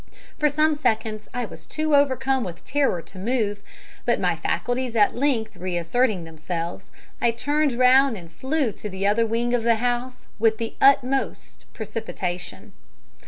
"For some seconds, I was too overcome with terror to move, but my faculties at length reasserting themselves, I turned round and flew to the other wing of the house with the utmost precipitation.